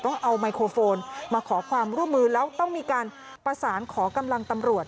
ต้องเอาไมโครโฟนมาขอความร่วมมือแล้วต้องมีการประสานขอกำลังตำรวจ